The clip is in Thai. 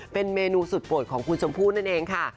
เป็นเมนูสุดโปรดของคุณชมพู่นั่นเองค่ะ